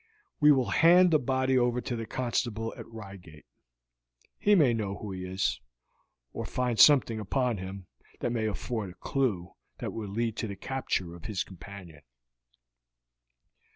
We will hand the body over to the constable at Reigate. He may know who he is, or find something upon him that may afford a clew that will lead to the capture of his companion."